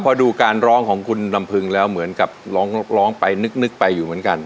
พอดูการร้องของคุณลำพึงแล้วเหมือนกับร้องไปนึกไปอยู่เหมือนกัน